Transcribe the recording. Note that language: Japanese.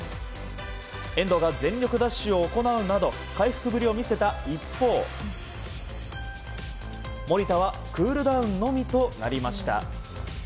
遠藤が全力ダッシュを行うなど回復ぶりを見せた一方守田は、クールダウンのみとなりました。